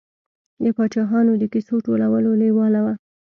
د پاچاهانو د کیسو ټولولو لېواله و.